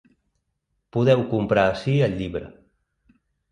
Podeu comprar ací el llibre.